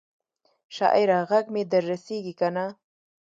شاعره ږغ مي در رسیږي کنه؟